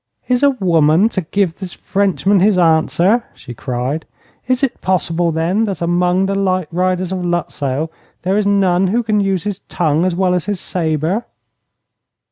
'Is a woman to give this Frenchman his answer?' she cried. 'Is it possible, then, that among the night riders of Lutzow there is none who can use his tongue as well as his sabre?'